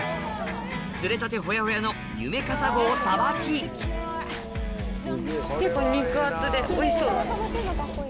釣れたてほやほやのユメカサゴをさばき結構肉厚でおいしそう。